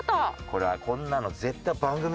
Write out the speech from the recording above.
これはこんなの。